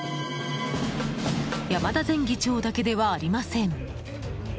山田前議長だけではありません。